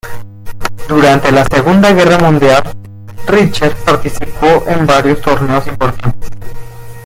Durante la Segunda Guerra Mundial, Richter participó en varios torneos importantes.